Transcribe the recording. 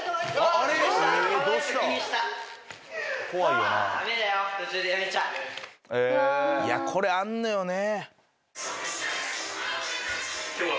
いやこれあんのよね。